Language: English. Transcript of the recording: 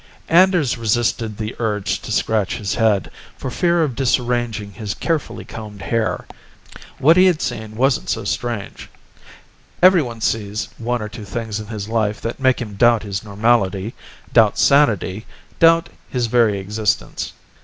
Anders resisted the urge to scratch his head, for fear of disarranging his carefully combed hair. What he had seen wasn't so strange. Everyone sees one or two things in his life that make him doubt his normality, doubt sanity, doubt his very existence.